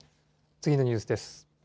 次のニュースです。